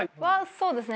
そうですね。